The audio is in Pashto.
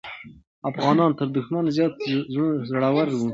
افغانان تر دښمن زیات زړور وو.